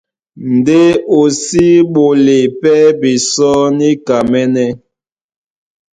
Ndé o si ɓolé pɛ́ bisɔ́ níkamɛ́nɛ́.